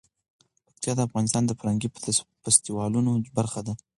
پکتیا د افغانستان د فرهنګي فستیوالونو برخه ده.